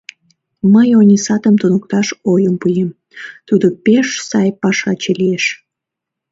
Мый Онисатым туныкташ ойым пуэм, тудо пеш сай пашаче лиеш...